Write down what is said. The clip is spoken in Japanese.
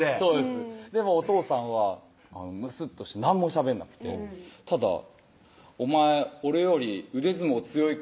でもおとうさんはむすっとして何もしゃべんなくてただ「お前俺より腕相撲強いか？」